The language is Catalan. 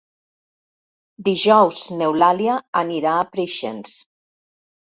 Dijous n'Eulàlia anirà a Preixens.